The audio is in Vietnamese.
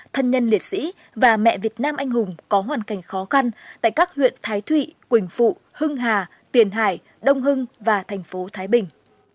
thân nhân liệt sĩ và mẹ việt nam anh hùng có hoàn cảnh khó khăn tại các huyện thái thụy quỳnh phụ hưng hà tiền hải đông hưng và thành phố thái bình